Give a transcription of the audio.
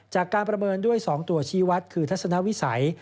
จากการประเมินด้วย๒ตัวชี้วัดคือทัศนวิสัย